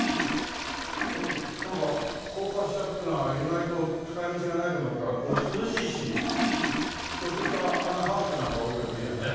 なんか高架下っていうのは意外と使い道がないと思ったらこう涼しいしちょっとしたあんなハウスなんか置いてもいいよね。